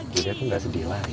gue liat tuh gak sedih lagi